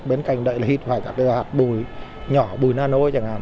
bên cạnh đấy là hịt phải các hạt bụi nhỏ bụi nano chẳng hạn